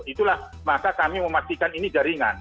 itulah maka kami memastikan ini jaringan